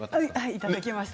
いただきました。